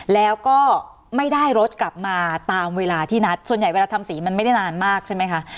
แล้วก็ไม่ได้รถกลับมาตามเวลาที่นัดส่วนใหญ่เวลาทำสีมันไม่ได้นานมากใช่ไหมคะ